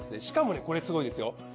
しかもねこれすごいですよ。